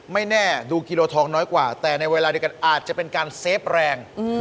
ไม่แน่ดูกิโลทองน้อยกว่าแต่ในเวลาเดียวกันอาจจะเป็นการเซฟแรง